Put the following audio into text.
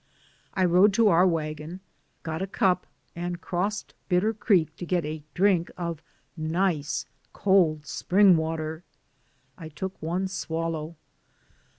I rode to our wagon, got a cup and crossed Bitter Creek to get a drink of nice, cold spring water. I took one swal low.